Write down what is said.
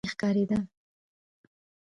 د غره په ډډه کې بهاند سیند اسماني ښکارېده.